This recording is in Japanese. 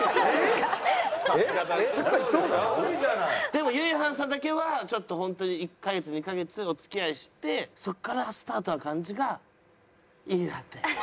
でもゆいはんさんだけはちょっとホントに１カ月２カ月お付き合いしてそこからスタートな感じがいいなって。